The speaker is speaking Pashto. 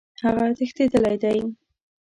هغه تښتېدلی دی.